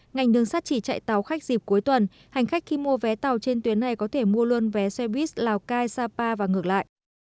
ngành đường sắt chỉ chạy tàu khách dịp cuối tuần hành khách khi mua vé tàu trên tuyến này có thể mua luôn vé xe buýt lào cai sapa và ngược lại